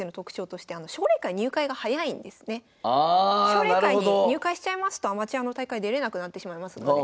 奨励会に入会しちゃいますとアマチュアの大会出れなくなってしまいますので。